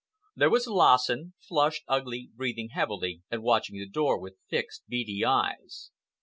There was Lassen—flushed, ugly, breathing heavily, and watching the door with fixed, beady eyes.